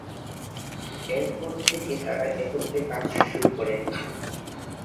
এরপর থেকে তারা একত্রে কাজ শুরু করেন।